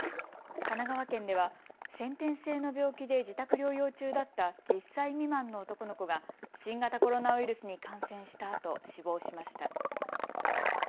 神奈川県では先天性の病気で自宅療養中だった１０歳未満の男の子が新型コロナウイルスに感染したあと死亡しました。